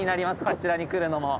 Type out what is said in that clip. こちらに来るのも。